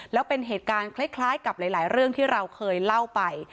แล้วเป็นเหตุการณ์คล้ายกับหลายเรื่องที่เราเคยเล่าไป